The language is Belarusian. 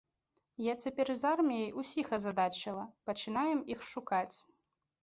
Я цяпер з арміяй, усіх азадачыла, пачынаем іх шукаць.